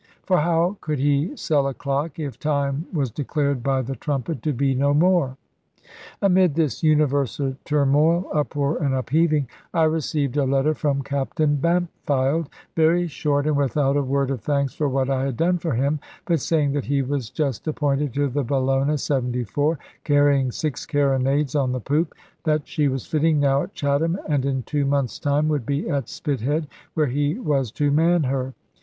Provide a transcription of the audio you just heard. For how could he sell a clock, if time was declared by the trumpet to be no more? Amid this universal turmoil, uproar, and upheaving, I received a letter from Captain Bampfylde, very short, and without a word of thanks for what I had done for him, but saying that he was just appointed to the Bellona, 74, carrying 6 carronades on the poop; that she was fitting now at Chatham, and in two months' time would be at Spithead, where he was to man her.